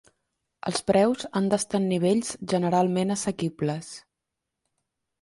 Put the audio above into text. Els preus han d'estar en nivells generalment assequibles.